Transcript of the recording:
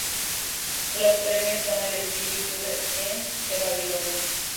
Los premios son el Espíritu de Queens de Babilonia.